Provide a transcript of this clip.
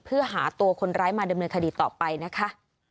เพื่อหาตัวคนร้ายมาดำเนินคดีต่อไปนะคะ